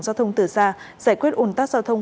giao thông từ xa giải quyết ồn tắc giao thông